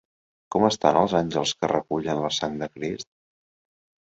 Com estan els àngels que recullen la sang de Crist?